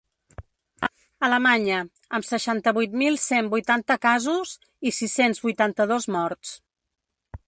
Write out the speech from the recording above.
Alemanya, amb seixanta-vuit mil cent vuitanta casos i sis-cents vuitanta-dos morts.